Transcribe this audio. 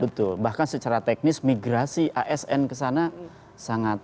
betul bahkan secara teknis migrasi asn ke sana sangat